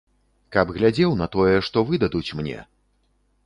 Каб глядзеў на тое, што выдадуць мне!